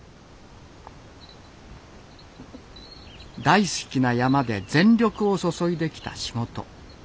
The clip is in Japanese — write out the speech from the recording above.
大好きな山で全力を注いできた仕事。